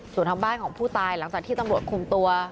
ส่วนทางบ้านของผู้ตายหลังจากที่ตำรวจคุมตัว